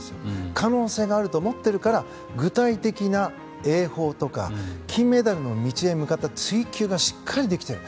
可能性があると思っているから具体的な泳法とか金メダルの道へ向かった追求がしっかりできている。